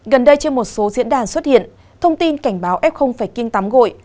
gần đây trên một số diễn đàn xuất hiện thông tin cảnh báo f phải kiên tắm gội